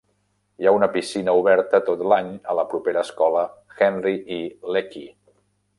Hi ha una piscina oberta tot l'any a la propera escola Henry E. Lackey.